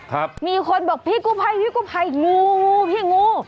ครับมีคนบอกพี่กู้ภัยพี่กู้ภัยงูงูพี่งู